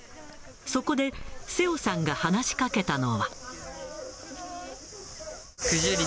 そこで、瀬尾さんが話しかけたのは。